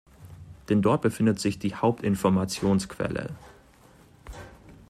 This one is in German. Denn dort befindet sich die Hauptinformationsquelle.